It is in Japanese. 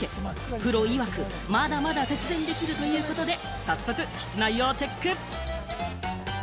プロいわく、まだまだ節電できるということで早速、室内をチェック。